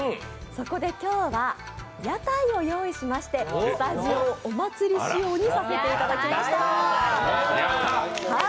そこで今日は屋台を用意しまして、スタジオをお祭り仕様にさせていただきました。